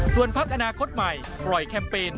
ส่วนพักอนาคตใหม่ปล่อยแคมเปญ